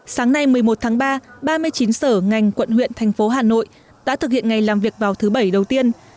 sáng nay một mươi một tháng ba ba mươi chín sở ngành quận huyện thành phố hà nội đã thực hiện ngày làm việc vào thứ bảy đầu tiên